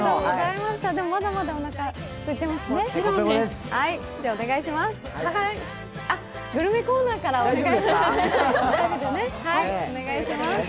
まだまだおなかすいていますね。